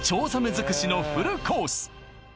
づくしのフルコース